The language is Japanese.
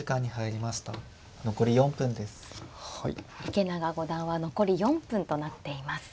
池永五段は残り４分となっています。